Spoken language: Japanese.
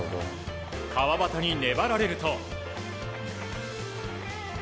川端に粘れると。